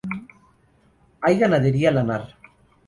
Hay ganadería lanar.